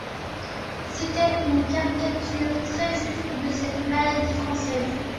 C’était une caricature très juste de cette maladie française.